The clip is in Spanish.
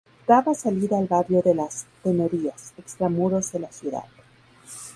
Daba salida al barrio de las Tenerías, extramuros de la ciudad.